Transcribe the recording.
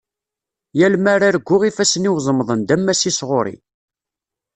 Yal mi ara arguɣ ifassen-iw ẓemḍen-d ammas-is ɣur-i.